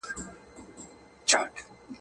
پوهان وايي چي وګړپوهنه له تاریخ سره نږدې ده.